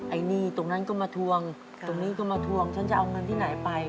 ไอ้หนี้ตรงนั้นก็มาทวงตรงนี้ก็มาทวงฉันจะเอาเงินที่ไหนไป